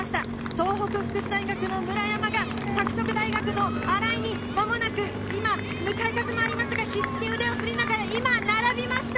東北福祉大学の村山が拓殖大学の新井にまもなく今、向かい風もありますが、必死に腕をふりながら今、並びました。